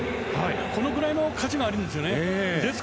このくらいの価値があるんですよね。